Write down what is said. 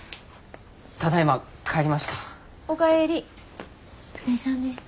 ただいま帰りました。